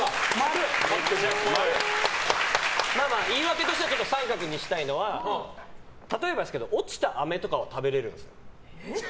言い訳としては△にしたいのは例えばですけど落ちたあめとかは食べれるんです。